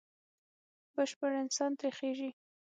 بشپړ انسان ترې خېژي.